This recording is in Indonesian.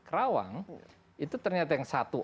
kerawang itu ternyata yang satu